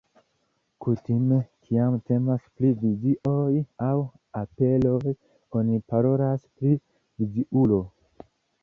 Kutime, kiam temas pri vizioj aŭ aperoj oni parolas pri"viziulo".